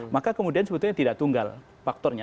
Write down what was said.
maka kemudian sebetulnya tidak tunggal faktornya